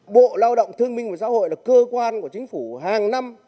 bộ lao động thương minh và xã hội là cơ quan của chính phủ hàng năm